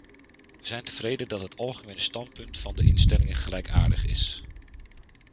We zijn tevreden dat het algemene standpunt van de instellingen gelijkaardig is.